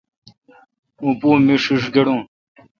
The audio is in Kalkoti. اوں پو می ݭیݭ گڑون۔